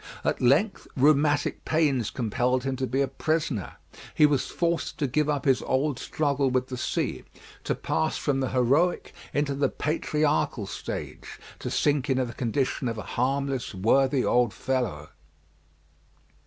At length rheumatic pains compelled him to be a prisoner; he was forced to give up his old struggle with the sea, to pass from the heroic into the patriarchal stage, to sink into the condition of a harmless, worthy old fellow.